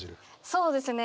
そうですね。